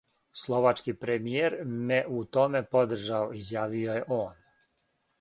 "Словачки премијер ме у томе подржао," изјавио је он."